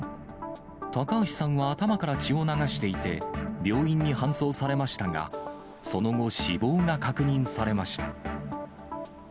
高橋さんは頭から血を流していて、病院に搬送されましたが、その後、死亡が確認されました。